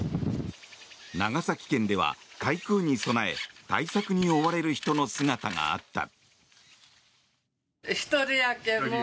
長崎県では台風に備え対策に追われる人の姿があった。